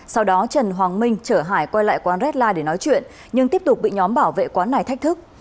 sau đó trần hoàng minh chở hải quay lại quán rea để nói chuyện nhưng tiếp tục bị nhóm bảo vệ quán này thách thức